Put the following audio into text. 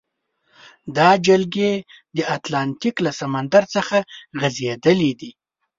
دا جلګې د اتلانتیک له سمندر څخه غزیدلې دي.